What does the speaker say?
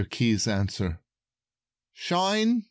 KEY'S ANSWER "Shine?"